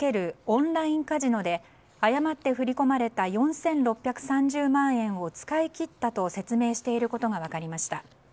オンラインカジノで誤って振り込まれた４６３０万円を使い切ったと説明していることが分かりました。